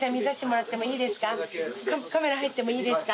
カメラ入ってもいいですか？